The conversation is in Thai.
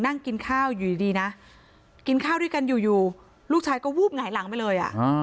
นั่งกินข้าวอยู่ดีนะกินข้าวด้วยกันอยู่ลูกชายก็วูบหงายหลังไปเลย